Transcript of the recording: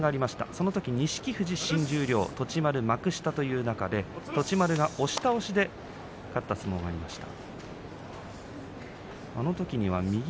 そのとき錦富士新十両栃丸、幕下という中で栃丸が押し倒しで勝った相撲がありました。